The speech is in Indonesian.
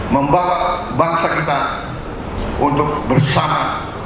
membawa bangsa kita untuk bersama